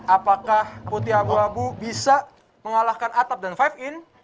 apakah putih abu abu bisa mengalahkan atap dan lima in